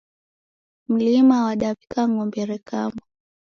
Mlimi wadaw'ika ng'ombe rekama